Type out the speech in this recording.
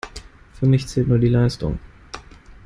Für mich zählt nur die Leistung.